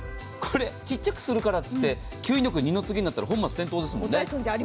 小さくするからといって吸引力、二の次になったら本末転倒ですもんね。